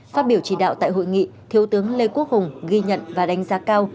phát biểu chỉ đạo tại hội nghị thiếu tướng lê quốc hùng ghi nhận và đánh giá cao